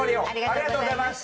ありがとうございます。